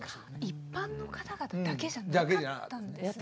一般の方々だけじゃなかったんですね。